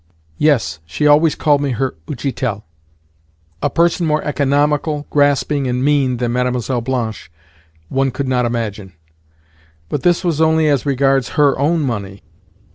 Yes, she always called me her "utchitel." A person more economical, grasping, and mean than Mlle. Blanche one could not imagine. But this was only as regards her own money.